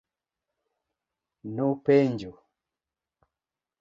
Nopenjo.